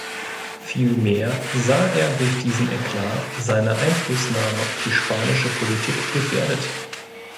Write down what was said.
Vielmehr sah er durch diesen Eklat seine Einflussnahme auf die spanische Politik gefährdet.